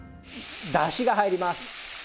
だしが入ります。